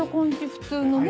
普通のね。